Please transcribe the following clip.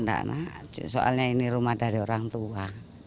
nggak nak soalnya ini rumah dari orang tua